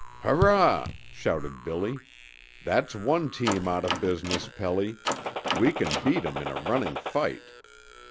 "Hurrah!" shouted Billy. "That's one team out of business, Pelly. We can beat 'em in a running fight!"